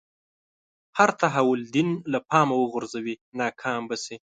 هر تحول دین له پامه وغورځوي ناکام به شي.